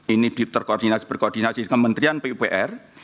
ini berkoordinasi dengan kementerian pupr